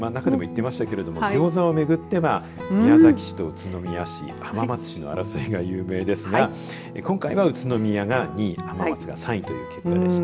ギョーザを巡っては宮崎市と宇都宮市浜松市の争いが有名ですが今回は、宇都宮が２位浜松が３位という結果でした。